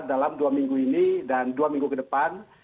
dalam dua minggu ini dan dua minggu ke depan